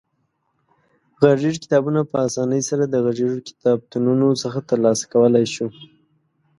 غږیز کتابونه په اسانۍ سره د غږیزو کتابتونونو څخه ترلاسه کولای شو.